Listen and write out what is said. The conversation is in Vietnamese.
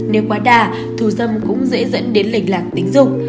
nếu quá đà thù dâm cũng dễ dẫn đến lệnh lạc tình dục